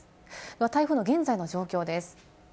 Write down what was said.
台風の現在の状況です。